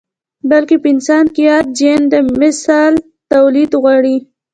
بلکې په انسان کې ياد جېن د مثل توليد غواړي.